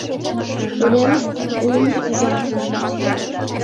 Уремыште — лум кува